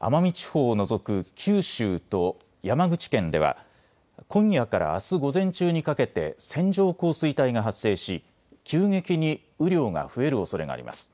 奄美地方を除く九州と山口県では今夜からあす午前中にかけて線状降水帯が発生し急激に雨量が増えるおそれがあります。